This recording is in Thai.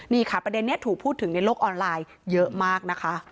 นี่ค่ะประเด็นนี้ถูกพูดถึงในโลกออนไลน์เยอะมากนะคะ